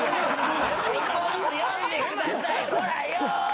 『罪と罰』読んでくださいほらよ。